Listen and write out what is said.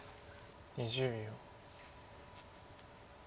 ２０秒。